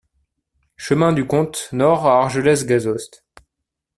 Chemin du Comte Nord à Argelès-Gazost